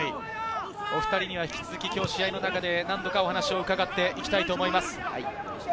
お２人には引き続き試合の中で何度かお話を伺っていきたいと思います。